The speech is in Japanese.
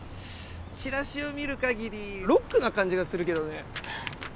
チラシを見る限りロックな感じがするけどね。